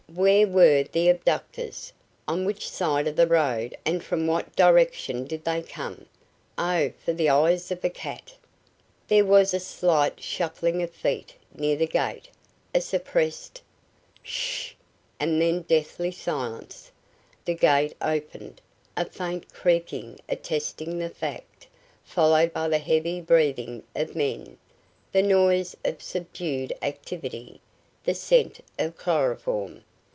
Where were the abductors? On which side of the road and from what direction did they come? Oh, for the eyes of a cat! There was a slight shuffling of feet near the gate, a suppressed "Sh?" and then deathly silence. The gate opened, a faint creaking attesting the fact, followed by the heavy breathing of men, the noise of subdued activity, the scent of chloroform.